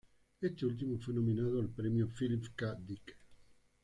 Este último fue nominado al premio Philip K. Dick.